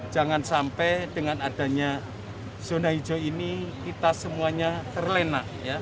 jangan sampai dengan adanya zona hijau ini kita semuanya terlena